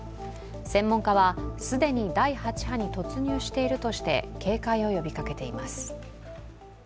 専門家は既に第８波に突入しているとして警戒を呼びかけています。